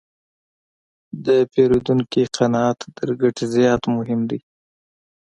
د پیرودونکي قناعت تر ګټې زیات مهم دی.